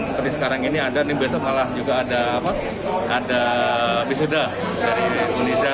seperti sekarang ini ada ini besok malah juga ada wisuda dari indonesia